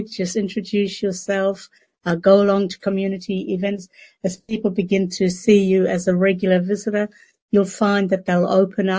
dan itu akan berguna menambah wawasan diri anda sendiri